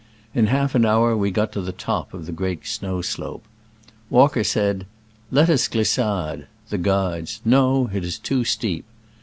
In half an hour we got to the top of the great snow slope. Walker said, '* Let us glissade ; the guides, *' No, it is too steep."